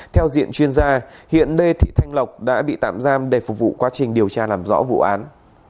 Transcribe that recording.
theo diện chuyên gia hiện lê thị thanh lộc đã bị tạm giam để phục vụ quá trình điều tra làm rõ vụ án